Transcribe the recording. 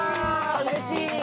うれしい！